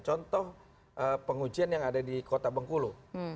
contoh pengujian yang ada di kota bengkulu